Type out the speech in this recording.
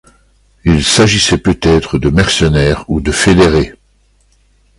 Il s'agissait peut-être de mercenaires ou de fédérés.